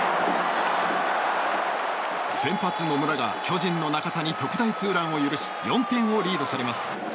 先発、野村が巨人の中田に特大ツーランを許し４点をリードされます。